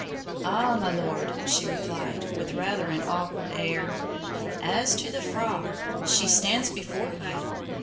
'Ah, my lord,' she replied, with rather an awkward air, 'as to the Frog, she stands before you.